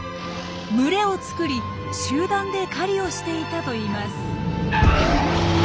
群れを作り集団で狩りをしていたといいます。